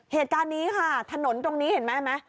เหตุการณ์นี้ค่ะถนนตรงนี้เห็นไหมไหม